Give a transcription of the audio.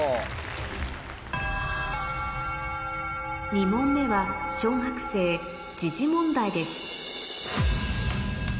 ２問目は小学生問題です